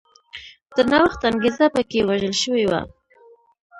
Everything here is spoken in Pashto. د نوښت انګېزه په کې وژل شوې وه.